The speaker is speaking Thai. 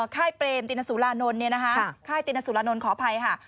ค่ายเปรมตินสุรานนท์ค่ายตินสุรานนท์ขออภัยค่ะ